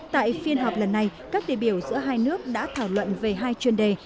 tại phiên họp lần này các đề biểu giữa hai nước đã thảo luận về hai chuyên đề